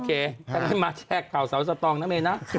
โอเคถ้าไม่มาแชกข่าวสาวสตองนะเมน่า